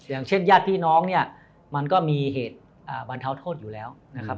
อย่างเช่นญาติพี่น้องเนี่ยมันก็มีเหตุบรรเทาโทษอยู่แล้วนะครับ